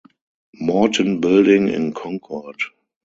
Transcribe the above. Morton Building in Concord.